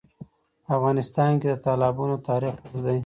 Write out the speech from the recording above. په افغانستان کې د تالابونه تاریخ اوږد دی.